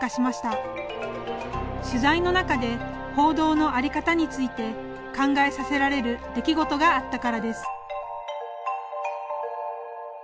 取材の中で報道の在り方について考えさせられる出来事があったからです。